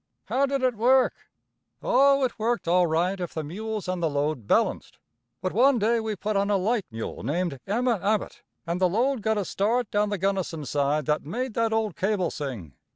"How did it work?" "Oh, it worked all right if the mules and the load balanced; but one day we put on a light mule named Emma Abbott, and the load got a start down the Gunnison side that made that old cable sing.